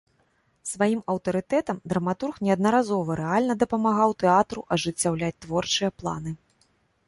Сваім аўтарытэтам драматург неаднаразова рэальна дапамагаў тэатру ажыццяўляць творчыя планы.